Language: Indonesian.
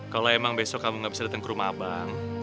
kalau emang besok kamu gak bisa datang ke rumah abang